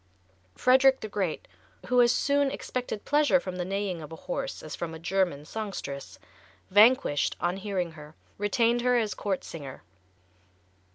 Frederick the Great, who as soon expected pleasure from the neighing of a horse as from a German songstress, vanquished on hearing her, retained her as court singer.